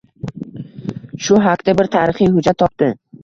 Shu hakda bir tarixiy hujjat topdi.